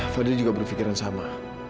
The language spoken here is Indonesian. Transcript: fadil juga berpikiran sama